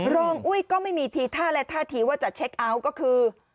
อุ้ยก็ไม่มีทีท่าและท่าทีว่าจะเช็คเอาท์ก็คือ